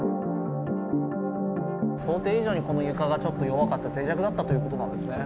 想定以上にこの床がちょっと弱かったぜい弱だったということなんですね。